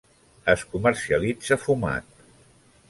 Es comercialitza fumat.